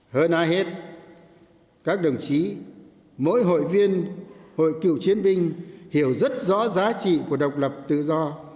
hơn ai hết các đồng chí mỗi hội viên hội cựu chiến binh hiểu rất rõ giá trị của độc lập tự do